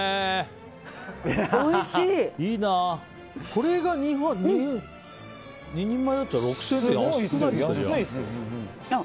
これが２人前だったら６０００円って安くないですか。